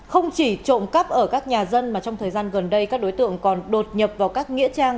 không chỉ trộm cắp ở các nhà dân mà trong thời gian gần đây các đối tượng còn đột nhập vào các nghĩa trang